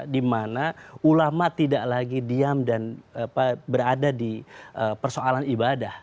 dimana ulama tidak lagi diam dan berada di persoalan ibadah